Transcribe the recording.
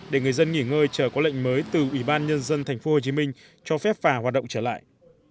để người dân nghỉ ngơi chờ có lệnh mới từ ủy ban nhân dân tp hcm cho phép phà hoạt động trở lại